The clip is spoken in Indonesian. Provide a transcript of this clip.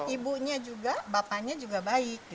ibunya juga bapaknya juga baik